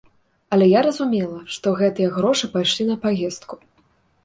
Але я разумела, што гэтыя грошы пайшлі на паездку.